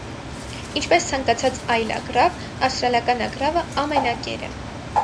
Ինչպես ցանկացած այլ ագռավ, ավստրալական ագռավը ամենակեր է։